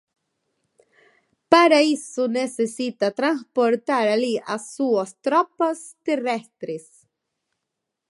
Para iso necesita transportar alí as súas tropas terrestres.